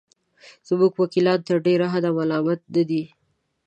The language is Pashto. زموږ وکیلان تر ډېره حده ملامت نه دي.